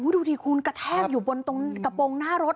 ดูสิคุณกระแทกอยู่บนตรงกระโปรงหน้ารถ